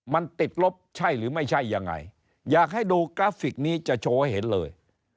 มันติดลบใช่หรือไม่ใช่ยังไงอยากให้ดูกราฟิกนี้จะโชว์ให้เห็นเลย